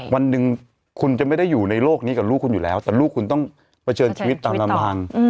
วันหนึ่งคุณจะไม่ได้อยู่ในโลกนี้กับลูกคุณอยู่แล้วแต่ลูกคุณต้องเผชิญชีวิตตามลำพัง